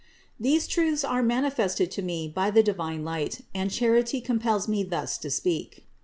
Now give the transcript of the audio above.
These truths are manifest to me by the divine light and charity compels me thus to speak.